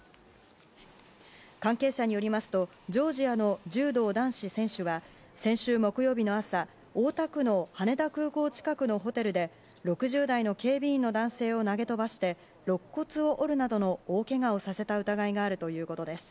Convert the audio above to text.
関係者によりますとジョージアの柔道男子選手は先週木曜日の朝大田区の羽田空港近くのホテルで６０代の警備員の男性を投げ飛ばしてろっ骨を折るなどの大けがをさせた疑いがあるということです。